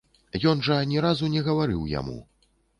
Ён жа ні разу не гаварыў яму.